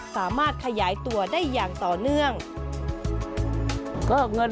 สามารถขยายตัวได้อย่างต่อเนื่อง